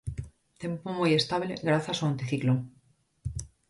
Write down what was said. Tempo moi estable grazas ao anticiclón.